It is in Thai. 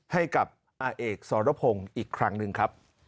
ให้กับอาเอกสรพงศ์อีกครั้งหนึ่งครับ